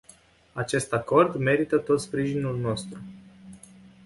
Acest acord merită tot sprijinul nostru.